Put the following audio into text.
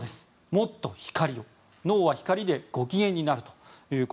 「もっと光を脳は光でご機嫌になる」。